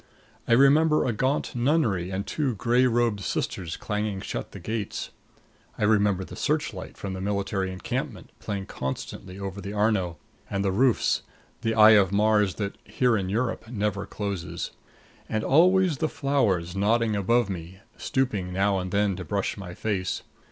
I remember a gaunt nunnery and two gray robed sisters clanging shut the gates. I remember the searchlight from the military encampment, playing constantly over the Arno and the roofs the eye of Mars that, here in Europe, never closes. And always the flowers nodding above me, stooping now and then to brush my face.